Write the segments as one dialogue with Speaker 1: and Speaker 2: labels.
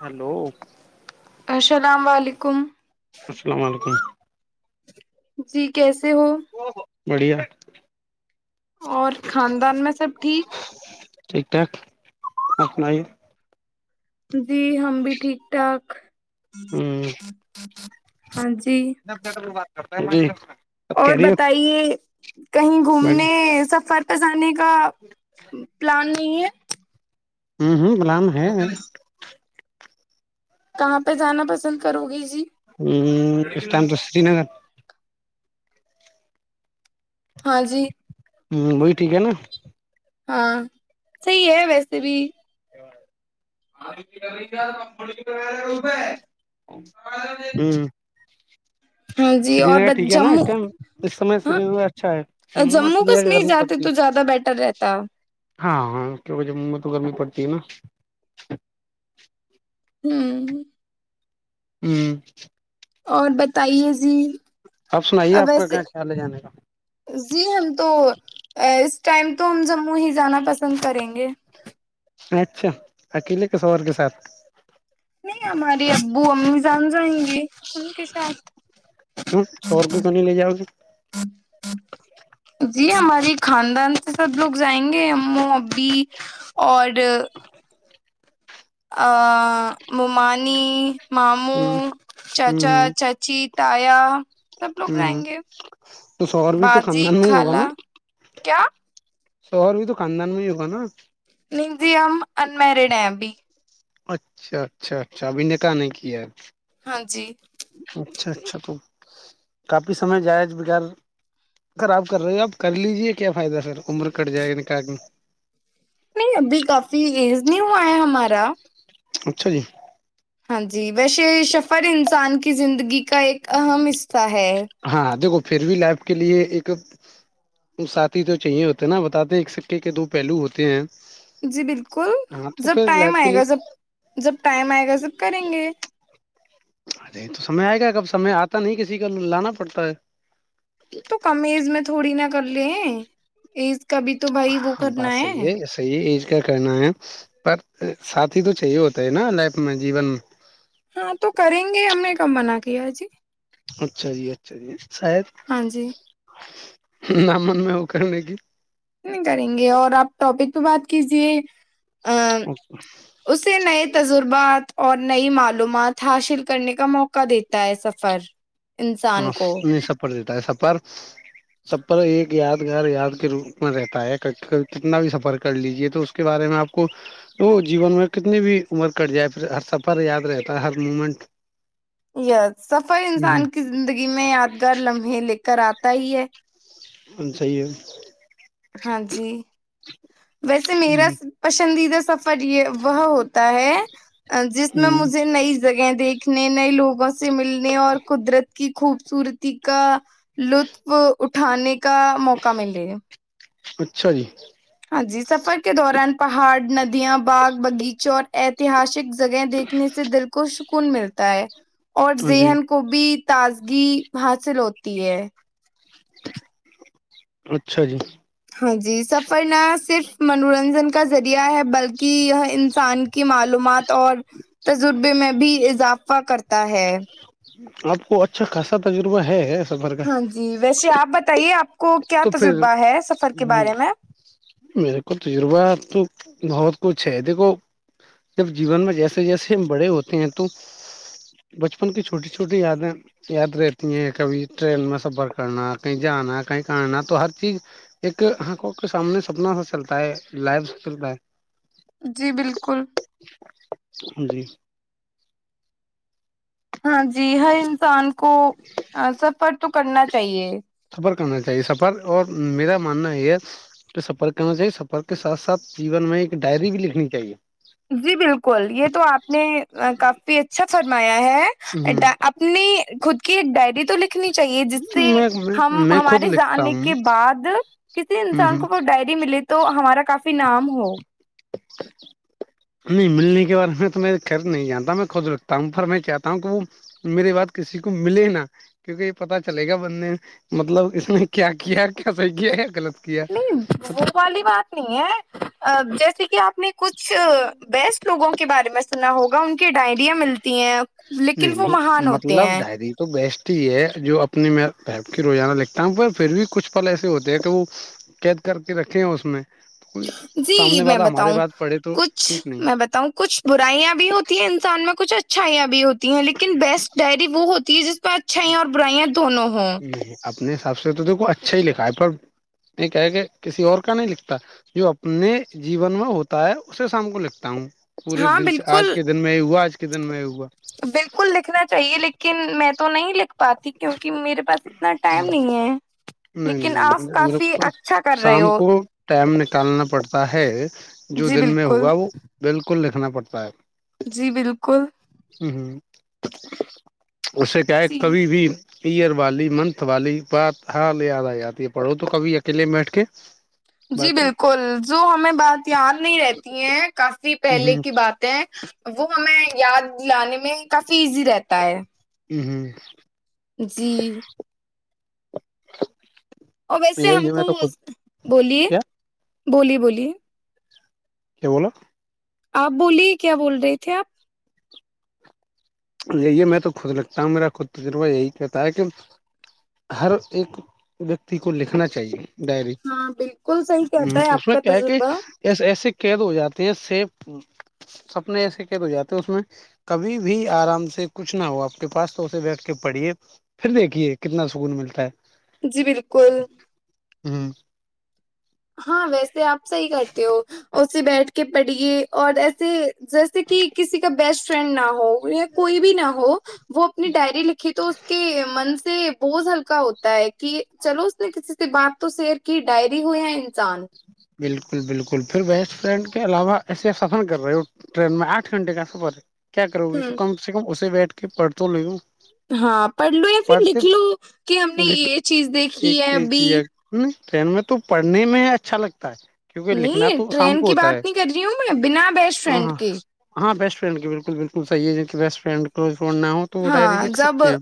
Speaker 1: Hello
Speaker 2: السلام علیکم
Speaker 1: السلام علیکم
Speaker 2: جی کیسے سے [unintelligible]
Speaker 1: بڑھیا [unintelligible]
Speaker 2: اور خاندان میں سب ٹھیک
Speaker 1: ٹھیک ٹھاک [unintelligible] آناائیے
Speaker 2: زی ہم بھی ٹھیک ٹھاک
Speaker 1: ہوں [unintelligible]
Speaker 2: ہاں جی
Speaker 1: بات کر [unintelligible] [unintelligible]
Speaker 2: اور بتائیے کہیں گھومنے سفر پے زانے کا پلان نہیں ہے
Speaker 1: ہوں ہوں [unintelligible] لام ہے
Speaker 2: کہاں پہ جانا پسند کرو گی جی
Speaker 1: ہ اسٹم تو سری نگر
Speaker 2: ہاں جی
Speaker 1: ہوں وہی ٹھیک ہے نا
Speaker 2: ہاں صحی ہے ویسے بھی رہ کمڑ
Speaker 1: ہوں
Speaker 2: ہاں جی
Speaker 1: سری
Speaker 2: اور
Speaker 1: نگر
Speaker 2: بس
Speaker 1: ٹھیک ہے نا اس
Speaker 2: جموں
Speaker 1: ٹائم اس سم
Speaker 2: ہاں
Speaker 1: سری نگر اچھا ہے جموں میں تو
Speaker 2: کشمیر
Speaker 1: گرمی
Speaker 2: جاتے
Speaker 1: پڑتی
Speaker 2: تو
Speaker 1: ہے
Speaker 2: زیادہ بیٹر رہتا
Speaker 1: ہاں ہاں کیکہ جموں میں تو گرمی پڑتی تما
Speaker 2: ہوں
Speaker 1: ہوں
Speaker 2: اور بتائیے جی
Speaker 1: آپ سنائیے آپ کا
Speaker 2: ویسے
Speaker 1: کہاں خیال ہے جانے کا
Speaker 2: جی ہم تو ا ٹائم تو ہم جموں ہی جانا پسند کریں گے
Speaker 1: اچھا اکیلے ک سور کے ساتھ
Speaker 2: نہیں ہماراری ابو امی جان جائیں گی ان کے ساتھ
Speaker 1: کیوں سوور کو کیوں نہیں لے جاؤ گے
Speaker 2: جی ہماری خاندان سے سب لوگ جائیں گے ہمو ابھی اور ب آ ممانی
Speaker 1: ہ
Speaker 2: ماموں
Speaker 1: ہ
Speaker 2: چاچا چاچی [unintelligible]
Speaker 1: ہ ہ
Speaker 2: جائیں گے
Speaker 1: تو شہر بھی تو
Speaker 2: باجی
Speaker 1: خاندان میں ہی ہوگا نا
Speaker 2: خالہ کیا
Speaker 1: شوہر بھی تو کاندان میں ہی ہوگا نا
Speaker 2: ی ہم انمیرڈ ہیں ابھی
Speaker 1: اچھا اچھا اچھا ابھی نے کہ نہیں کیا ہے
Speaker 2: ہاں جی
Speaker 1: اچھا اچھا تو کافی سمے جائج بغیر اگر آپ کر رہے ہو آپ کر لیجیے کیا فائدہ سر عمر کٹ جائے گا نک میں
Speaker 2: نہیں ابھی کافی ایز نہیں ہوا ہے ہمارا
Speaker 1: اچھا جی
Speaker 2: ہاں جی ویسے سفر انسان کے زندگی کا ایک اہم حصہ ہے
Speaker 1: ہاں گ پھر بھی لائف کے لیے ایک ساتھی تو چاہیے ہوتے ہیں نا بتاتے ایک سککے کے دو پہلو ہوتے ہیں
Speaker 2: جی بالکل
Speaker 1: ہاں تو
Speaker 2: جب
Speaker 1: پھر
Speaker 2: ٹائم
Speaker 1: لائف کے
Speaker 2: آئے
Speaker 1: لیے
Speaker 2: گا جب جب ٹائم آئے گا سب کریں گے
Speaker 1: ارے تو سمے آئے گا کب سمے آتا نہیں کسی کا لانا پڑتا ہے
Speaker 2: تو کمز میں تھوڑی نا کل [unintelligible] کبھی تو بھائی وہ کرنا ہے
Speaker 1: کیا کرنا ہے پر ساتھی تو چاہیے ہوتا ہے نا لائف میں جیون میں
Speaker 2: ہاں تو کریں گے ہم نے کم منا کیا جی
Speaker 1: اچھا جی اچھا جی شاید
Speaker 2: ہاں جی
Speaker 1: ن من میں وہ کرنے کی
Speaker 2: تو بات کیجے ا اس سے نئے تجربات اور نئی معلومات حاصل کرنے کا موقع دیتا ہے سفر انسان
Speaker 1: ہاں
Speaker 2: کو
Speaker 1: نہیں سپر دیتا ہے سپر سپر ایک یادگار یاد کے روپ میں رہتا ہے کتنا بھی سفر کر لیجیے تو اس کے بارے میں آپ کو وہ جیون میں کتنی بھی عمر کٹ جائے پھر ہر سفر یاد رہتا ہے ہر مومنٹ
Speaker 2: ی سفر انسان
Speaker 1: ہ
Speaker 2: کی زندگی میں یادگار لمحے لے کر آتا ہی ہے
Speaker 1: ہم چاہیے
Speaker 2: ہاں جی ویسے میرا
Speaker 1: ہ
Speaker 2: پسندیدہ سفر یہ وہ ہوتا ہے جس میں
Speaker 1: ہ
Speaker 2: مجھے نئی جگہیں دیکھی سیککھنے نئے لوگوں سے ملنے اور قدرت کی خوبصورتی کا لطف ا [unintelligible] تھانے کے [unintelligible] موکا ملے
Speaker 1: اچھا جی
Speaker 2: ہاں جی سفر کے دوران پہاڑ ندیاں باغ باغیچوں اور اتہاسک [inaudible] جگہ دیکھنے سے دل کو سکون ملتا ہے اور
Speaker 1: ہاں جی
Speaker 2: زہن کو بھی تازگی حاصل ہوتی ہے
Speaker 1: اچھا جی [unintelligible]
Speaker 2: ہاں جی سب پر نہ صرف منورنجن [unintelligible] کا ذریعہ ہے بلکہ یہ انسان کے کی معلومات اور تجربے میں بھی اضافہ کرتا ہے
Speaker 1: آپ کو اچھا خاصا تجربہ ہے سفر کا
Speaker 2: ہاں جی ویسے آپ بتائیے آپ کو کیا
Speaker 1: تو پھر
Speaker 2: تجربہ ہے سفر کے بارے میں
Speaker 1: میرے کو تجربہ تو بہت کچھ ہے دیکھو جب جیون میں جیسے جیسے ہم بڑے ہوتے ہیں تو بچپن کی چھوٹی چھوٹی یادیں یاد رہتی ہیں کبھی ٹرین میں سفر کرنا کہیں جانا کہیں کرنا تو ہر چیز ایک ہقوں کے سامنے سپنا سے چلتا ہے لائف سے چلتا ہے
Speaker 2: جی بالکل
Speaker 1: ہ جی
Speaker 2: ہاں جی ہر انسان کو سفر تو کرنا چاہیے
Speaker 1: سفر کرنا چاہیے سفر اور میرا ماننا یہ ہے کہ سفر کرنا چاہیے سفر کے ساتھ ساتھ جیون میں ایک ڈائری بھی لکھنی چاہیے
Speaker 2: جی بالکل یہ تو آپ نے کافی اچھا فرمایا ہے
Speaker 1: ہ
Speaker 2: اپنی خود کہ ڈائری تو ل نی چاہیے جس سے
Speaker 1: میں
Speaker 2: ہم
Speaker 1: میں خود
Speaker 2: ہمارے
Speaker 1: لکھتا
Speaker 2: جانے
Speaker 1: ہوں
Speaker 2: کے بعد کسی
Speaker 1: ہ ہ
Speaker 2: انسان کو وہ ڈائری ملے تو ہمارا کافی انعام ہو
Speaker 1: اچ [inaudible] [unintelligible] نہیں ملنے کے بارد میں تو میرے خھر نہیں جانتا میں خود رکھتا ہوں پر میں چاہتا ہوں کہ وہ میرے بات کسی کو ملے نہا کیوںکہ یہ پتا چلے گا بندے مطلب اس نے کیا کیا کیا صحیح کیا یا غلط کیا
Speaker 2: نہیں وہ والی بات نہیں ہے جیسے کہ آپ نے [unintelligible] کچھ بیسٹ لوگوں کے بارے میں سنا ہوگا ان کی ڈائریاں ملتی ہیں لیکن
Speaker 1: نہیں
Speaker 2: وہ
Speaker 1: نہیں
Speaker 2: مہان ہوتے
Speaker 1: مطلب
Speaker 2: ہیں
Speaker 1: ڈائری تو بیسٹ یہ جو اپنی ویب کی روزانہ لکھتا ہوں پھر بھی کچھ پل ایسے ہوتے ہیں کہ وہ قید کر کے رکھیں اس میں کوئی
Speaker 2: جی
Speaker 1: سامنے
Speaker 2: میں
Speaker 1: والا ہمارے
Speaker 2: بتاؤں
Speaker 1: بات پڑھے تو
Speaker 2: کچھ
Speaker 1: ٹھیک نہیں
Speaker 2: میں بتاؤں کچھ برائیاں بھی ہوتی ہیں انسان میں کچھ اچھا [unintelligible] ہیں لیکن بیسٹ ڈائری وہ ہوتی [unintelligible] اچھائی اور برائی ہیں دونوں ہوں
Speaker 1: نہیں اپنے حساب سے تو دیکھو اچھا ہی لکھا ہے پر یہ کہ کہ کسی اور کا نہیں لکھتا جو اپنے جیون میں ہوتا ہے اسے سام کو لکھتا ہوں پورے
Speaker 2: ہاں
Speaker 1: دن آج
Speaker 2: بالکل
Speaker 1: کے دن میں ہوا آج ک دن میں ہوا
Speaker 2: بالکل لکھنا چاہیے لیکن میں تو نہیں لکھ۔ پاتی کیونکہ میرے پاس اتنا ٹائم نہیں ہے
Speaker 1: نہیں
Speaker 2: لیکن آپ
Speaker 1: نہیں م
Speaker 2: کافی
Speaker 1: کو
Speaker 2: اچھا کر رہے
Speaker 1: شام
Speaker 2: ہو
Speaker 1: کو ٹائم نکالنا پڑتا [unintelligible] جو
Speaker 2: جی
Speaker 1: دن میں
Speaker 2: بالکل
Speaker 1: ہوا وہ بالکل نہیں نا پڑتا ہے
Speaker 2: جی بالکل
Speaker 1: اس سے کیا ہے
Speaker 2: جی
Speaker 1: کبھی بھی یئر والی منتھ والی بات ہاں لے د آ تی ہے پڑھو تو کبھی اکیلے میں بیٹھ کے
Speaker 2: جی
Speaker 1: باقی
Speaker 2: بالکل جو ہمیں بات یاد نہیں رہتی ہے کافی پہلے
Speaker 1: ہ
Speaker 2: کی باتیں وہ ہمیں یاد لانے میں کافی ایزی رہتا ہے
Speaker 1: ہم ہم
Speaker 2: جی
Speaker 1: [inaudible]
Speaker 2: اور ویسے
Speaker 1: یہی
Speaker 2: ہم
Speaker 1: ہے میں
Speaker 2: کو
Speaker 1: تو خود
Speaker 2: بولیے
Speaker 1: کیا
Speaker 2: بولیے بولیے
Speaker 1: کیا بولا
Speaker 2: آپ بولیے کیا بول رہے تھے آپ
Speaker 1: یہی میں تو خود لکھتا ہوں میرا خود تجربہ یہی کہتا ہے کہ ہر ایک ویکتی کو لکھنا چاہیے ڈائری
Speaker 2: ہاں بالکل صحیح کہتا ہے
Speaker 1: اس
Speaker 2: آپ
Speaker 1: میں
Speaker 2: کا
Speaker 1: کیا ہے کہ
Speaker 2: تجربہ
Speaker 1: ایسے قید ہو جاتے ہیں س ہ سپنے ایسے قید ہو جاتے ہے اس میں کبھی بھی آرام سے کچھ نہ ہو آپ کے پاس تو اسے بیٹھ کے پڑھیے پھر دیکھیے کتنا سکون ملتا ہے
Speaker 2: جی بالکل
Speaker 1: ہوں
Speaker 2: ہاں ویسے آپ صحیح کرتے ہو اسے بیٹھ کے پڑھیے اور ایسے جیسے کہ کسی کا بیسٹ فرینڈ نہ ہو ہو یا کوئی بھی نہ ہو وہ اپنی ڈائری لکھی تو اس کے من سے بوجھ ہلکا ہوتا ہے کہ چلو اس نے کسی سے بات تو شیئر کی ڈائری ہو یا چان
Speaker 1: بالکل بالکل پھر بیسٹ فرینڈ کے علاوہ ایسے سفر کر رہے ہو ٹرین میں آٹھ گھنٹے کا سفر ہے کیا کرو گے تو
Speaker 2: ہوں
Speaker 1: کم سے کم اسے بیٹھے کے پڈھتو لےو
Speaker 2: ہاں پڑھ لو یا پھر لکھ لو کہ ہم نے یہ چیز دیکھی
Speaker 1: ایک
Speaker 2: ہے
Speaker 1: یہ
Speaker 2: ابھی
Speaker 1: چیز ہے ٹرین میں تو پڑھنے میں اچھا لگتا لگتا ہے کیونکہ لکھنا
Speaker 2: نہیں
Speaker 1: تو شام
Speaker 2: ٹرین
Speaker 1: کو
Speaker 2: کی
Speaker 1: ہوتا ہے
Speaker 2: بات نہیں کر رہی ہوں میں بنا بیسٹ
Speaker 1: ہاں
Speaker 2: فرینڈ
Speaker 1: ہاں
Speaker 2: کے
Speaker 1: ہاں بیسٹ فرینڈ کے بالکل بالکل صحیح ہے جن کی بیسٹ فریڈ کلوز فرینڈ نہ ہو تو وہ
Speaker 2: ہاں
Speaker 1: ڈائری لکھ
Speaker 2: جب
Speaker 1: سکتے ہیں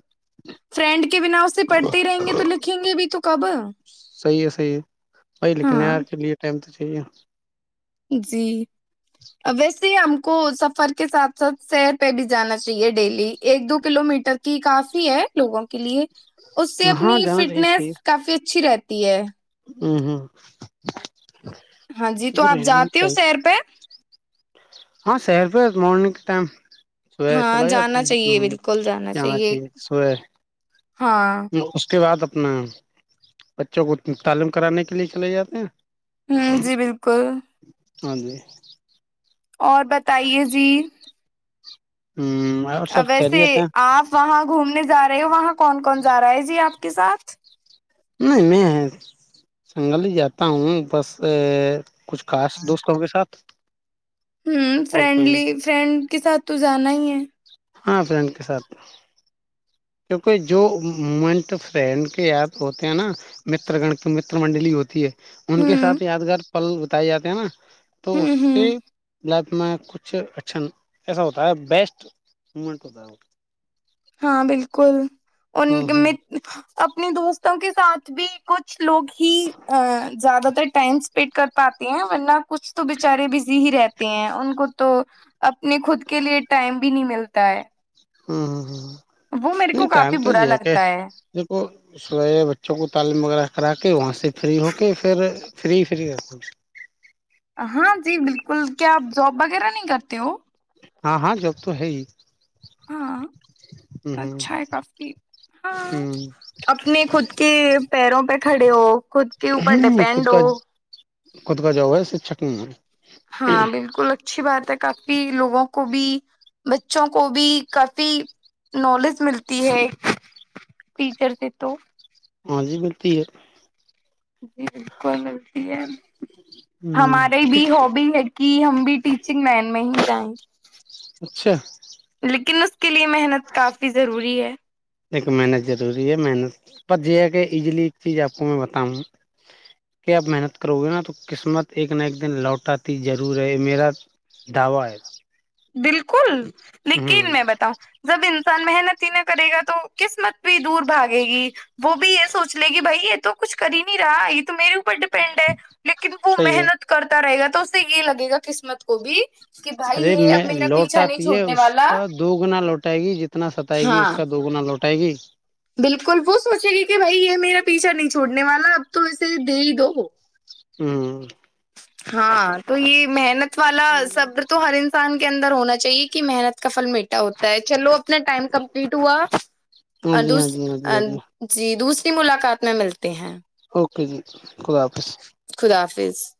Speaker 2: فرینڈ کے بنا اسے پڑھتے رہیں گے تو لکھیں گے بھی تو کب
Speaker 1: صحیح ہے صحیح ہے ب
Speaker 2: ہاں
Speaker 1: لیکنیار کے لیے ٹم تو [unintelligible] ٹھیک ہے
Speaker 2: جی ویسے ہم کو سفر کے ساتھ ساتھ سیر پہ بھی جانا چاہیے ڈیلی ایک دو کلو میٹر کی کافی ہے لوگوں کے لیے اس سے
Speaker 1: ہاں
Speaker 2: اپنی
Speaker 1: جانا چاہیے
Speaker 2: فٹنیس کافی اچھی رہتی تی ہے
Speaker 1: ہمم ہمم
Speaker 2: ہاں جی تو آپ جاتے ہو سیر پہ
Speaker 1: ہاں سر پ مورنگ کے ٹائم صبح چل
Speaker 2: ہاں
Speaker 1: آپ ہ
Speaker 2: جانا چاہیے بالکل
Speaker 1: جانا چاہیے سبح
Speaker 2: ہاں
Speaker 1: اس کے بعد اپنا بچوں کو تعلیم کرانے کے لیے چلے جاتے ہیں
Speaker 2: ہوں جی بالکل
Speaker 1: ہاں جی [unintelligible]
Speaker 2: اور بتائیے جی
Speaker 1: اور سب
Speaker 2: ویسے
Speaker 1: خیریت ہیں
Speaker 2: آپ وہاں گھومنے ج رہے ہو وہاں کون کون جا رہا ہے جی آپ کے ساتھ [unintelligible]
Speaker 1: نہیں میں سنگل ہی جاتا ہوں بس کچھ خاص دوستوں کے ساتھ
Speaker 2: ہوں
Speaker 1: اور کہیں
Speaker 2: فرینڈلی فرینڈ کے ساتھ تو جانا ہی ہے
Speaker 1: ہاں فرینڈ کے ساتھ کیونکہ جو مومنٹ فرینڈ کے یاپ ہوتے ہیں نا م گ مر منڈلی ہوتی ہے ان کے
Speaker 2: ہوں
Speaker 1: ساتھ یادگار پل بتائے جاتے ہیں نا تو اس
Speaker 2: ہوں
Speaker 1: سے
Speaker 2: ہوں
Speaker 1: لائف میں کچھ اچھا ایسا ہوتا ہے بیسٹ ہومنٹ ہوتا
Speaker 2: ہاں بالکل ان
Speaker 1: ہاں
Speaker 2: کے
Speaker 1: ہاں
Speaker 2: مت اپنے دوستوں کے ساتھ بھی کچھ لوگ ہی ا زیادہ تر ٹائم اسپینڈ کر پاتے ہیں ورنہ کچھ تو بچارے بزی ہی رہتے ہیں ان کو تو اپنے خود کے لیے ٹائم بھی نہیں ملتا ہے
Speaker 1: ہوں ہ ہوں ہ
Speaker 2: وہ
Speaker 1: [unintelligible]
Speaker 2: میرے کو
Speaker 1: نہیں ٹم
Speaker 2: کافی
Speaker 1: تو
Speaker 2: برا
Speaker 1: ج کہ
Speaker 2: لگتا ہے
Speaker 1: دو س بچوں کو تعلیم وغیرہا وہاں سے فری ہو کے پھر فری فری
Speaker 2: ہاں جی بالکل کیا آپ جاب وغیرہ نہیں کرتے ہو
Speaker 1: ہاں ہاں جب تو ہے
Speaker 2: ہاں
Speaker 1: ہ
Speaker 2: اچھا ہے کافی ہاں
Speaker 1: ہ
Speaker 2: اپنے خود کے پیروں پہ کھڑے ہو خود کے اوپر
Speaker 1: نہیں خود
Speaker 2: ڈیپینڈ
Speaker 1: کا
Speaker 2: ہو
Speaker 1: خود کا جاؤا ہے س چک نہیں ہے
Speaker 2: ہاں بالکل اچھی بات ہے کافی پی لوگوں کو بھی بچوں کو بھی کافی نالج ملتی ہے ٹیچر سے تو
Speaker 1: ہاں جی بتی ہے
Speaker 2: جی بالکل ملتی ہے ہمارے
Speaker 1: ہ
Speaker 2: بھی ہبی ہے کہ ہم بھی ٹیچنگ مین میں ہی جائیں گے [inaudible]
Speaker 1: اچھا
Speaker 2: کے لیے محنت کافی ضروری ہے
Speaker 1: ل محنت ضروری ہے محنت پر یہ ہے کہ ایزلی ایک چیز آپ کو میں بتاؤں کہ آپ محنت کرو گے نا تو قسمت ایک نہ ایک دن لوٹاتی ضرور ہے میرا دعوی ہے گا
Speaker 2: بالکل لیکن میں بتاؤں جب ان ان محنت ہی نہ کرے گا تو قسمت بھی دور بھاگے گی وہ بھی یہ سوچ لے گی بھائی یہ تو کچھ کر ہی نہیں رہا یہ تو میرے پر ڈیپینڈ ہے لیکن وہ
Speaker 1: صحیح ہے
Speaker 2: محنت کرتا رہے گا تو تو سے یہ لگے گا قسمت کو بھی کہ بھائی
Speaker 1: ارے
Speaker 2: یہ
Speaker 1: میں
Speaker 2: میرا پیچھا نہیں
Speaker 1: لوٹاتی ہے
Speaker 2: چھوڑنے
Speaker 1: اس
Speaker 2: والا
Speaker 1: کا دو گنا لوٹائے گی جتنا ستائے گی
Speaker 2: ہاں
Speaker 1: اس کا دو گنا لوٹ سٹائ گ
Speaker 2: بالکل وہ سوچے گی کہ بھائی یہ میرا پیچھا نہیں چھوڑنے والا اب تو اسے دے ہی دو
Speaker 1: ہوں
Speaker 2: ہاں تو یہ محنت والا سبر تو ہر انسان کے اندر ہونا چاہیے کہ محنت کا فل میٹا ہوتا ہے چلو اب اپنا ٹائم کمپلیٹ ہوا
Speaker 1: ہاں
Speaker 2: اور
Speaker 1: جی ہاں جی ہاں جی
Speaker 2: دوسری
Speaker 1: ہاں جی
Speaker 2: جی دوسری ملاقات میں ملتی ہیں
Speaker 1: اوکے جی خدا حافظ
Speaker 2: جفظ